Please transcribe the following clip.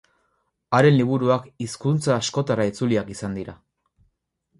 Haren liburuak hizkuntza askotara itzuliak izan dira.